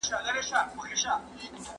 که ټولنیز بدلون راسي نو ژوند اسانه کیږي.